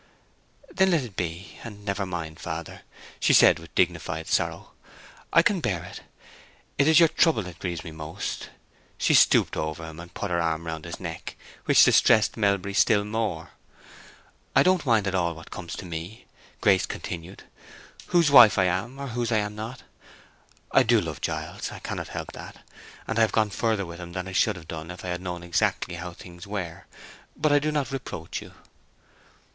"Then let it be, and never mind, father," she said, with dignified sorrow. "I can bear it. It is your trouble that grieves me most." She stooped over him, and put her arm round his neck, which distressed Melbury still more. "I don't mind at all what comes to me," Grace continued; "whose wife I am, or whose I am not. I do love Giles; I cannot help that; and I have gone further with him than I should have done if I had known exactly how things were. But I do not reproach you."